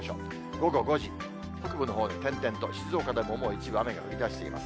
午後５時、北部のほうで点々と、静岡でももう一部、雨が降りだしています。